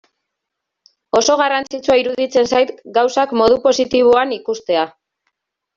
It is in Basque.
Oso garrantzitsua iruditzen zait gauzak modu positiboan ikustea.